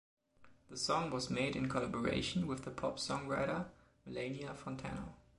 The song was made in collaboration with the pop songwriter Melania Fontana.